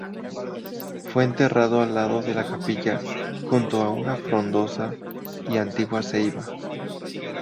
Fue enterrado al lado de la capilla, junto a una frondosa y antigua ceiba.